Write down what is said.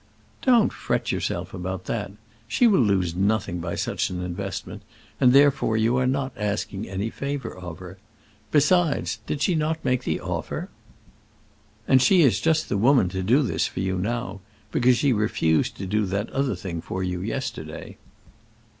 "Don't fret yourself about that; she will lose nothing by such an investment, and therefore you are not asking any favour of her. Besides, did she not make the offer? and she is just the woman to do this for you now, because she refused to do that other thing for you yesterday.